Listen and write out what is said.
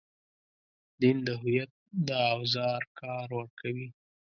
دین د هویت د اوزار کار ورکوي.